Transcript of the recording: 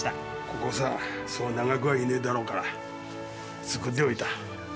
ここさそう長くは、いねえだろうから作っておいた。